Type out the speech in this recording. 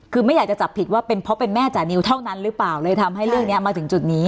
คือไม่อยากจะจับผิดว่าเป็นเพราะเป็นแม่จานิวเท่านั้นหรือเปล่าเลยทำให้เรื่องนี้มาถึงจุดนี้